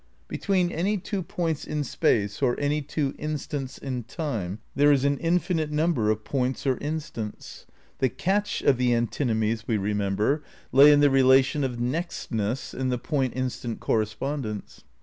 Between any two points in space or any two instants in time there is an infinite number of points or instants. The "catch" of the antinomies, we remember, lay in the relation of "nextness" in the point instant cor respondence.